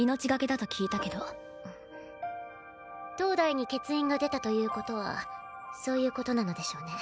当代に欠員が出たということはそういうことなのでしょうね。